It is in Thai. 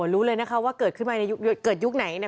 รู้เลยนะคะว่าเกิดขึ้นไปในยุคไหนนะ